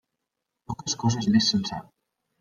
Poques coses més se'n sap.